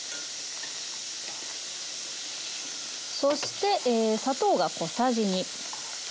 そして砂糖が小さじ２。